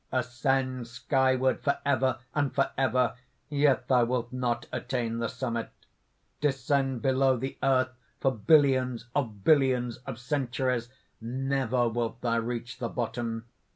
"Ascend skyward forever and forever, yet thou wilt not attain the summit. Descend below the earth for billions of billions of centuries: never wilt thou reach the bottom.